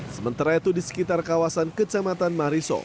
sementara itu di sekitar kawasan kecamatan mariso